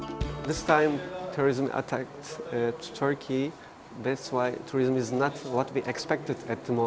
kali ini turis menyerang turki jadi turis bukan seperti yang kita harapkan saat ini